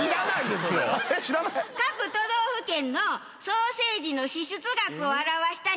各都道府県のソーセージの支出額を表した日本地図やねん。